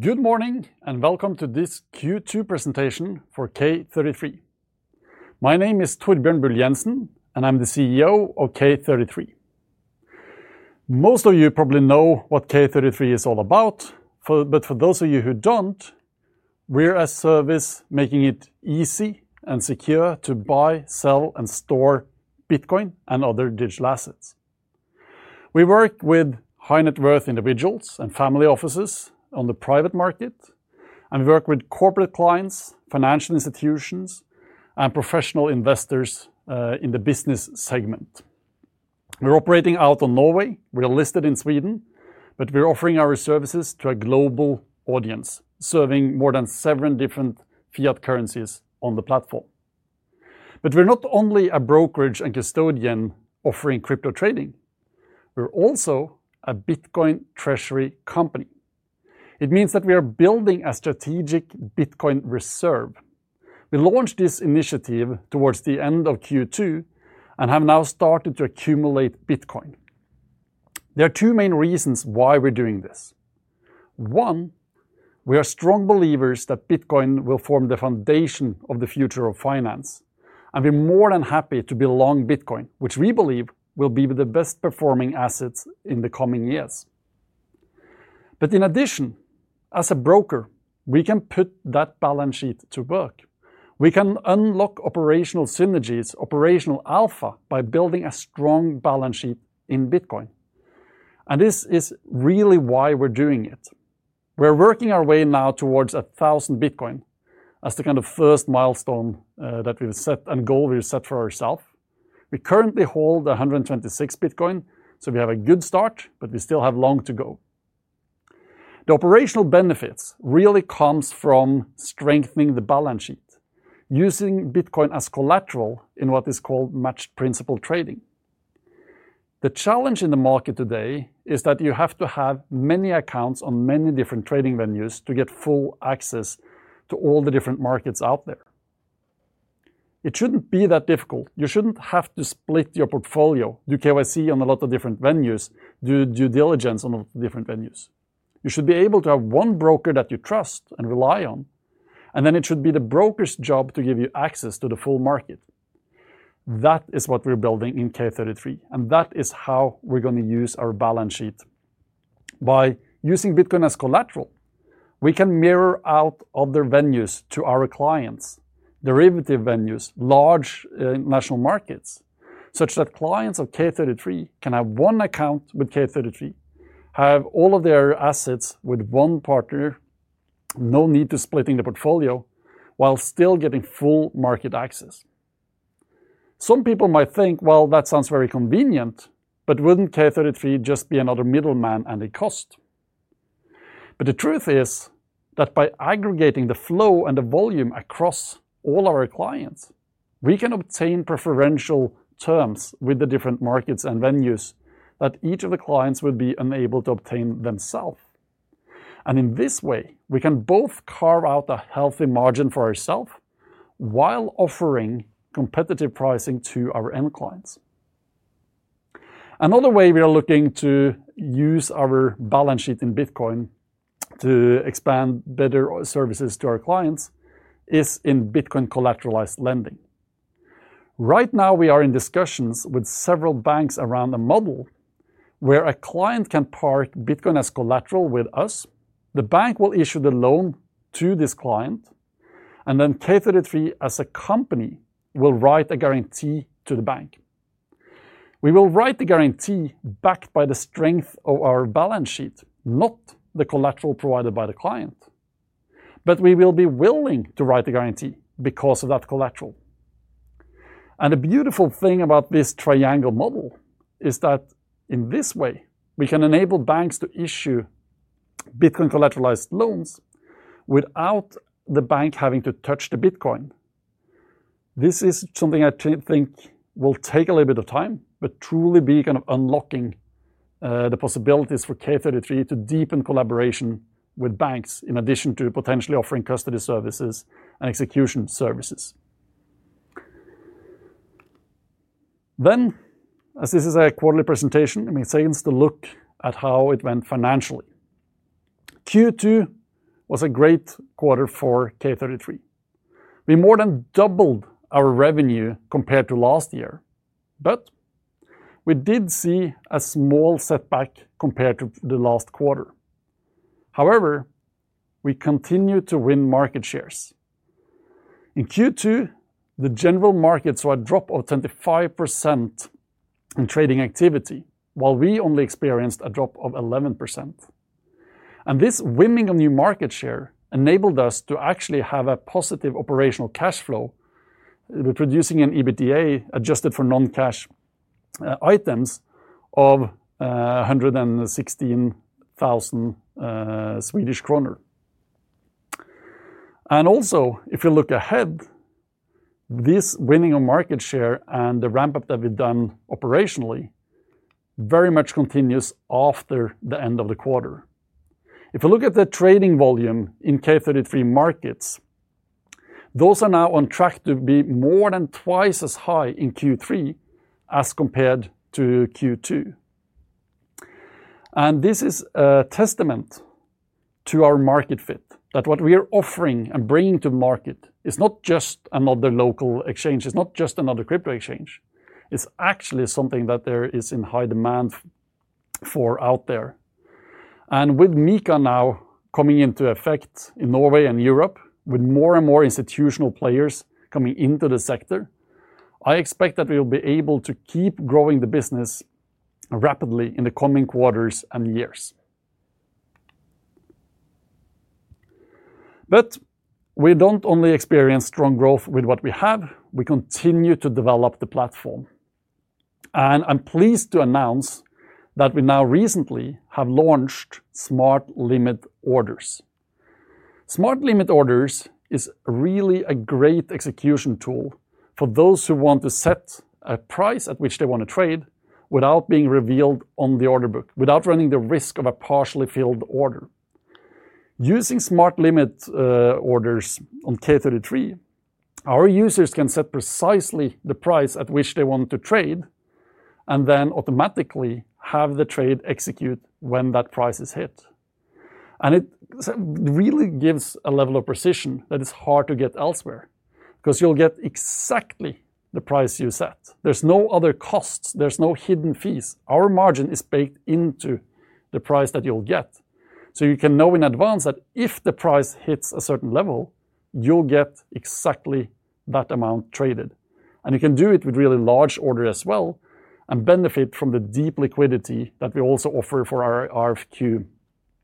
Good morning and welcome to this Q2 Presentation for K33. My name is Torbjørn Bull Jenssen, and I'm the CEO of K33. Most of you probably know what K33 is all about, but for those of you who don't, we're a service making it easy and secure to buy, sell, and store Bitcoin and other digital assets. We work with high-net-worth individuals and family offices on the private market, and we work with corporate clients, financial institutions, and professional investors in the business segment. We're operating out of Norway. We're listed in Sweden, but we're offering our services to a global audience, serving more than seven different fiat currencies on the platform. We're not only a brokerage and custodian offering crypto trading. We're also a Bitcoin treasury company. It means that we are building a strategic Bitcoin reserve. We launched this initiative towards the end of Q2 and have now started to accumulate Bitcoin. There are two main reasons why we're doing this. One, we are strong believers that Bitcoin will form the foundation of the future of finance, and we're more than happy to belong Bitcoin, which we believe will be the best-performing asset in the coming years. In addition, as a broker, we can put that balance sheet to work. We can unlock operational synergies, operational alpha, by building a strong balance sheet in Bitcoin. This is really why we're doing it. We're working our way now towards 1,000 Bitcoin as the kind of first milestone that we've set and goal we've set for ourselves. We currently hold 126 Bitcoin, so we have a good start, but we still have long to go. The operational benefits really come from strengthening the balance sheet, using Bitcoin as collateral in what is called matched principal trading. The challenge in the market today is that you have to have many accounts on many different trading venues to get full access to all the different markets out there. It shouldn't be that difficult. You shouldn't have to split your portfolio, do KYC on a lot of different venues, do due diligence on a lot of different venues. You should be able to have one broker that you trust and rely on, and then it should be the broker's job to give you access to the full market. That is what we're building in K33, and that is how we're going to use our balance sheet. By using Bitcoin as collateral, we can mirror out other venues to our clients, derivative venues, large national markets, such that clients of K33 can have one account with K33, have all of their assets with one partner, no need to split the portfolio, while still getting full market access. Some people might think, that sounds very convenient, but wouldn't K33 just be another middleman and a cost? The truth is that by aggregating the flow and the volume across all our clients, we can obtain preferential terms with the different markets and venues that each of the clients would be unable to obtain themselves. In this way, we can both carve out a healthy margin for ourselves while offering competitive pricing to our end clients. Another way we are looking to use our balance sheet in Bitcoin to expand better services to our clients is in Bitcoin collateralized lending. Right now, we are in discussions with several banks around a model where a client can park Bitcoin as collateral with us. The bank will issue the loan to this client, and then K33 as a company will write a guarantee to the bank. We will write the guarantee backed by the strength of our balance sheet, not the collateral provided by the client. We will be willing to write the guarantee because of that collateral. The beautiful thing about this triangle model is that in this way, we can enable banks to issue Bitcoin collateralized loans without the bank having to touch the Bitcoin. This is something I think will take a little bit of time, but truly be kind of unlocking the possibilities for K33 to deepen collaboration with banks in addition to potentially offering custody services and execution services. As this is a quarterly presentation, it makes sense to look at how it went financially. Q2 was a great quarter for K33. We more than doubled our revenue compared to last year, but we did see a small setback compared to the last quarter. However, we continued to win market shares. In Q2, the general market saw a drop of 25% in trading activity, while we only experienced a drop of 11%. This winning of new market share enabled us to actually have a positive operational cash flow, producing an adjusted EBITDA for non-cash items of SEK 116,000. If you look ahead, this winning of market share and the ramp-up that we've done operationally very much continues after the end of the quarter. If you look at the trading volume in K33 markets, those are now on track to be more than twice as high in Q3 as compared to Q2. This is a testament to our market fit, that what we are offering and bringing to market is not just another local exchange, it's not just another crypto exchange. It's actually something that there is in high demand for out there. With MiCA now coming into effect in Norway and Europe, with more and more institutional players coming into the sector, I expect that we will be able to keep growing the business rapidly in the coming quarters and years. We don't only experience strong growth with what we have, we continue to develop the platform. I'm pleased to announce that we now recently have launched Smart Limit Orders. Smart Limit Orders are really a great execution tool for those who want to set a price at which they want to trade without being revealed on the order book, without running the risk of a partially filled order. Using Smart Limit Orders on K33, our users can set precisely the price at which they want to trade and then automatically have the trade execute when that price is hit. It really gives a level of precision that is hard to get elsewhere because you'll get exactly the price you set. There's no other costs, there's no hidden fees. Our margin is baked into the price that you'll get. You can know in advance that if the price hits a certain level, you'll get exactly that amount traded. You can do it with really large orders as well and benefit from the deep liquidity that we also offer for our RFQ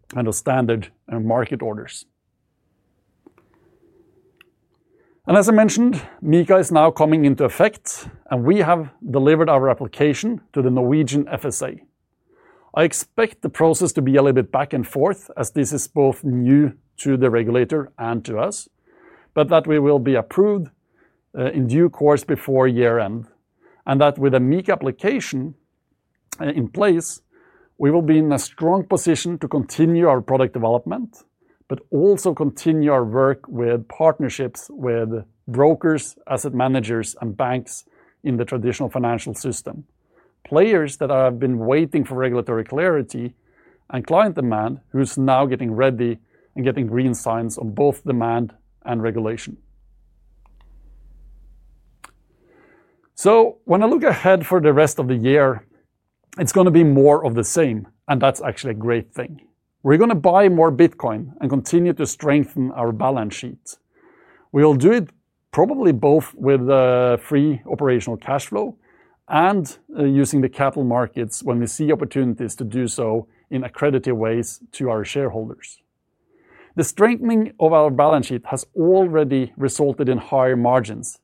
kind of standard market orders. As I mentioned, MiCA is now coming into effect, and we have delivered our application to the Norwegian FSA. I expect the process to be a little bit back and forth as this is both new to the regulator and to us, but that we will be approved in due course before year-end. With a MiCA application in place, we will be in a strong position to continue our product development, but also continue our work with partnerships with brokers, asset managers, and banks in the traditional financial system. Players that have been waiting for regulatory clarity and client demand who's now getting ready and getting green signs on both demand and regulation. When I look ahead for the rest of the year, it's going to be more of the same, and that's actually a great thing. We're going to buy more Bitcoin and continue to strengthen our balance sheet. We'll do it probably both with free operational cash flow and using the capital markets when we see opportunities to do so in accredited ways to our shareholders. The strengthening of our balance sheet has already resulted in higher margins,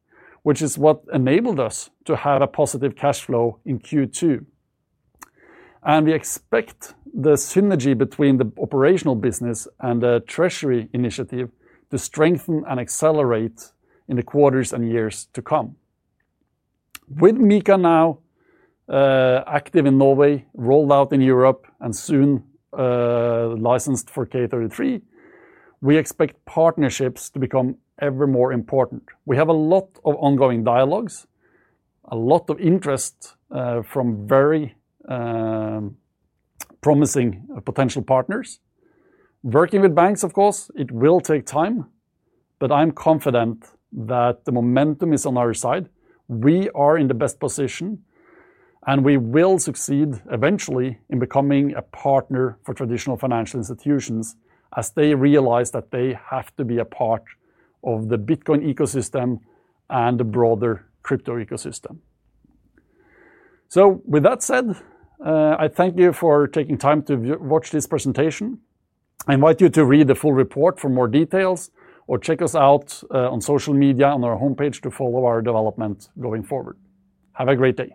which is what enabled us to have a positive cash flow in Q2. We expect the synergy between the operational business and the treasury initiative to strengthen and accelerate in the quarters and years to come. With MiCA now active in Norway, rolled out in Europe, and soon licensed for K33, we expect partnerships to become ever more important. We have a lot of ongoing dialogues, a lot of interest from very promising potential partners. Working with banks, of course, it will take time, but I'm confident that the momentum is on our side. We are in the best position, and we will succeed eventually in becoming a partner for traditional financial institutions as they realize that they have to be a part of the Bitcoin ecosystem and the broader crypto ecosystem. I thank you for taking time to watch this presentation. I invite you to read the full report for more details or check us out on social media on our homepage to follow our development going forward. Have a great day.